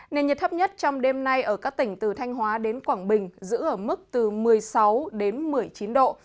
nền nhiệt thấp nhất trong đêm nay ở các tỉnh từ thanh hóa đến quảng bình giữ ở mức từ một mươi sáu đến một mươi chín độ